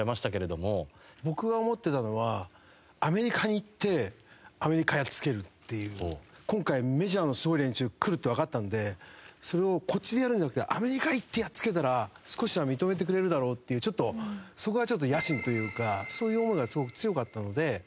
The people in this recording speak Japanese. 僕が思ってたのは今回メジャーのすごい連中来るってわかってたんでそれをこっちでやるんじゃなくてアメリカ行ってやっつけたら少しは認めてくれるだろうっていうちょっとそこはちょっと野心というかそういう思いがすごく強かったので。